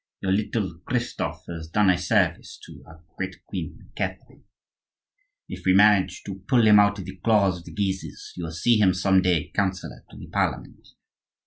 "Your little Christophe has done a service to our great queen, Catherine. If we manage to pull him out of the claws of the Guises you will see him some day councillor to the Parliament.